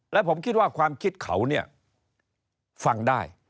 และผมคิดว่าความคิดเขาเนี่ยฟังได้